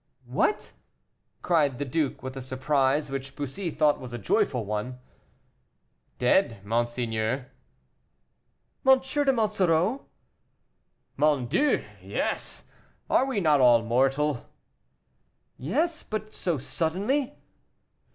"What!" cried the duke, with a surprise which Bussy thought was a joyful one. "Dead, monseigneur." "M. de Monsoreau!" "Mon Dieu! yes; are we not all mortal?" "Yes; but so suddenly."